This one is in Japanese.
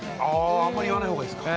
あんまり言わないほうがいいんですか。